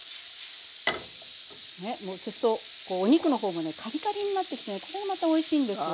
ねそうするとお肉の方もねカリカリになってきてねこれもまたおいしいんですよね。